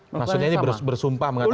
maksudnya ini bersumpah mengatakan